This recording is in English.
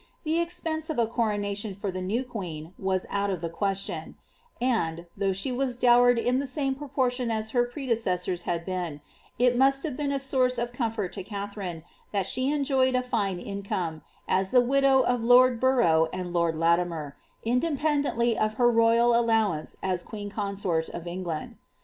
The expense of a coronation for the new queen was out of the question ; and, though she was dowered in the same proportion as her predecessors had been, it must have been a source of eomfort to Katharine, that she enjoyed a fine income, as the widow of lord Borough and lord Latimer, independently of her royal allowance as queen consort of England.